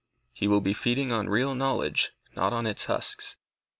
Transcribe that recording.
He will be feeding on real knowledge, not on its husks.